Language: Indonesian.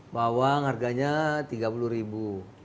bawang harganya rp tiga puluh ribu